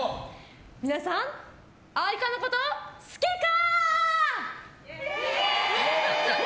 皆さん、愛花のこと好きか？